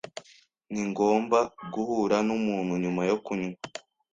Ningomba guhura numuntu nyuma yo kunywa.